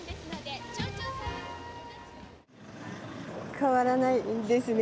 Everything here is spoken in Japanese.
変わらないですね。